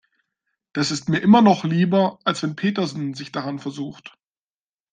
Das ist mir immer noch lieber, als wenn Petersen sich daran versucht.